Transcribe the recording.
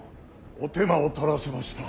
お手間を取らせました。